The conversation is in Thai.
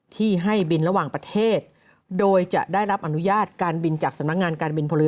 ที่ให้บินระหว่างประเทศโดยจะได้รับอนุญาตการบินจากสำนักงานการบินพลเรือ